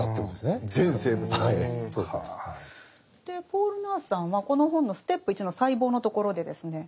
ポール・ナースさんはこの本のステップ１の細胞のところでですね